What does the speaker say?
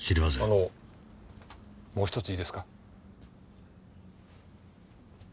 あのもう１ついいですか？